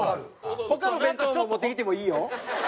他の弁当も持ってきてもいいよ。